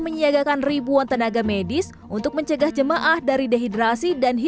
menyiagakan ribuan tenaga medis untuk mencegah jemaah dari dehidrasi dan